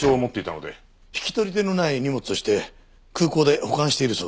引き取り手のない荷物として空港で保管しているそうだ。